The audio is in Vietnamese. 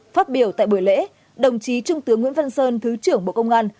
phát biểu tại buổi lễ đồng chí trung tướng nguyễn văn sơn thứ trưởng bộ công an